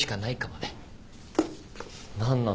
君何なの？